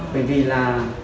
bởi vì là